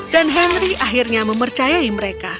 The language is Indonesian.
dan henry akhirnya mempercayai mereka